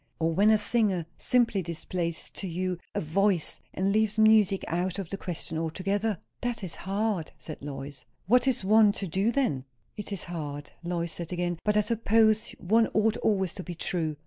Or when a singer simply displays to you a VOICE, and leaves music out of the question altogether." "That is hard!" said Lois. "What is one to do then?" "It is hard," Lois said again. "But I suppose one ought always to be true."